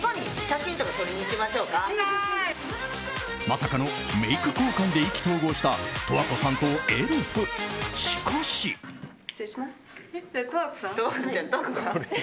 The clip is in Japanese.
まさかのメイク交換で意気投合した十和子さんとエルフ。